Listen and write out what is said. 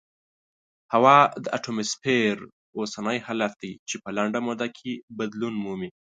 هوا د اتموسفیر اوسنی حالت دی چې په لنډه موده کې بدلون مومي.